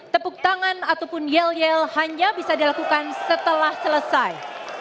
tepuk tangan ataupun yel yel hanya bisa dilakukan setelah selesai